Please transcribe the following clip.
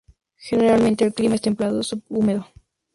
Generalmente el clima es templado subhúmedo.